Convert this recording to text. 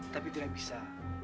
tapi tidak bisa